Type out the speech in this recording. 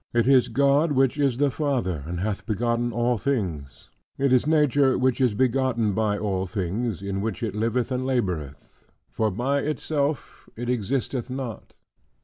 It is God, which is the Father, and hath begotten all things: it is Nature, which is begotten by all things, in which it liveth and laboreth; for by itself it existeth not.